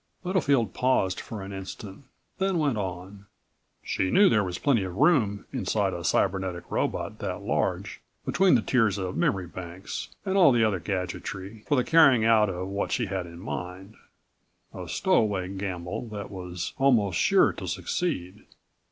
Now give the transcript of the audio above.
Littlefield paused an instant, then went on. "She knew there was plenty of room inside a cybernetic robot that large, between the tiers of memory banks and all the other gadgetry, for the carrying out of what she had in mind a stowaway gamble that was almost sure to succeed.